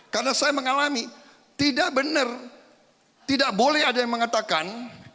karena saya mengalami tidak benar tidak boleh ada yang mengatakan